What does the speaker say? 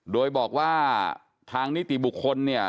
โดยบอกว่าทางนิติบุคคลเนี่ย